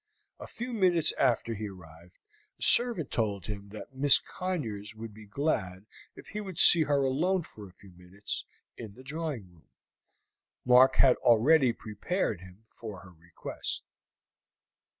A few minutes after he arrived, a servant told him that Miss Conyers would be glad if he would see her alone for a few minutes in the drawing room. Mark had already prepared him for her request.